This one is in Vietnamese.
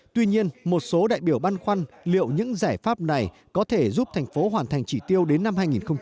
tuy nhiên một số đại biểu băn khoăn liệu những giải pháp này có thể giúp thành phố hoàn thành chỉ tiêu đến năm hai nghìn hai mươi